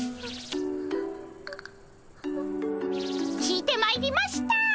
聞いてまいりました。